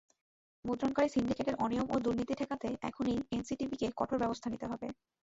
মুদ্রণকারী সিন্ডিকেটের অনিয়ম ও দুর্নীতি ঠেকাতে এখনই এনসিটিবিকে কঠোর ব্যবস্থা নিতে হবে।